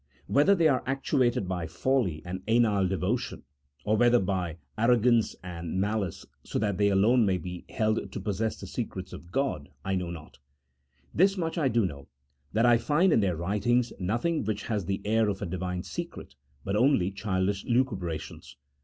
Whether they are actuated by folly and anile devotion, or whether by arrogance and malice so that they alone may be held to possess the secrets of G od, I know not: this much I do know, that I find in their writings nothing which has the air of a Divine secret, but only childish lucubrations.